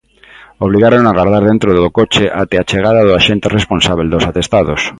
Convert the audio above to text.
Obrigárono a agardar dentro do coche até a chegada do axente responsábel dos atestados.